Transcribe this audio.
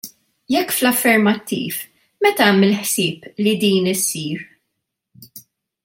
Jekk fl-affermattiv, meta hemm il-ħsieb li din issir?